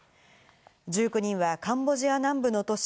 １９人はカンボジア南部の都市